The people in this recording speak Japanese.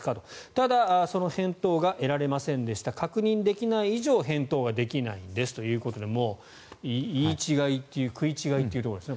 ただ、その返答が得られませんでした確認できない以上返答はできないんですということでもう言い違いというか食い違いということですね。